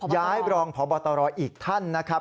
รองพบตรอีกท่านนะครับ